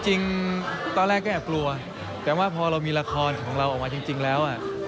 จริงตอนแรกก็แอบกลัวแต่ว่าพอเรามีละครของเราออกมาจริงแล้ว